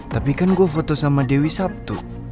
tapi kan gue foto sama dewi sabtu